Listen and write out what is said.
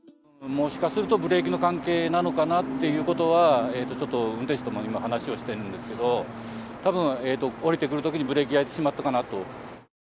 もしかするとブレーキの関係なのかなっていうことは、ちょっと運転手とも今、話をしてるんですけど、たぶん、下りてくるときにブレーキやってしまったかなと。